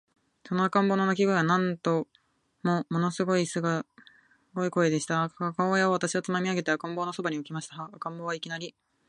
その赤ん坊の泣声は、なんとももの凄い声でした。母親は私をつまみ上げて、赤ん坊の傍に置きました。赤ん坊は、いきなり、